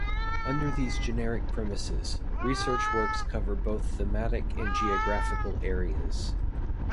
Under these generic premises, research works cover both thematic and geographical areas.